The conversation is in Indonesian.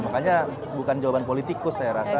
makanya bukan jawaban politikus saya rasa